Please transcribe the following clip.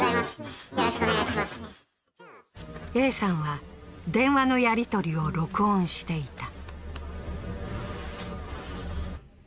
Ａさんは電話のやりとりを録音していた。